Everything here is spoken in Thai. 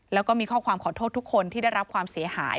แล้วก็มีข้อความขอโทษทุกคนที่ได้รับความเสียหาย